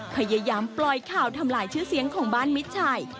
พยายามปล่อยข่าวทำลายชื่อเสียงของบ้านมิดชัย